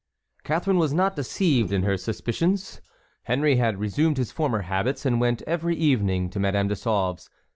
Catharine was not deceived in her suspicions. Henry had resumed his former habits and went every evening to Madame de Sauve's.